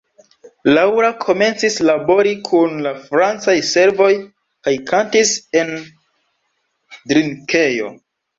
Laura komencis labori kun la francaj servoj kaj kantis en drinkejo.